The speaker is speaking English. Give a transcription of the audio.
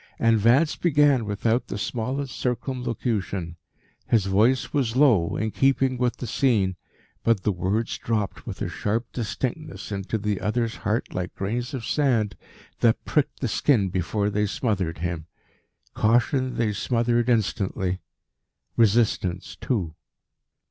And Vance began without the smallest circumlocution. His voice was low, in keeping with the scene, but the words dropped with a sharp distinctness into the other's heart like grains of sand that pricked the skin before they smothered him. Caution they smothered instantly; resistance too.